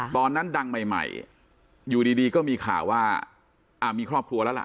ตอนนั้นดังใหม่อยู่ดีก็มีข่าวว่ามีครอบครัวแล้วล่ะ